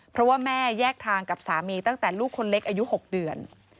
เพราะว่าแม่แยกทางกับสามีตั้งแต่ลูกคนเล็กอายุ๖เดือน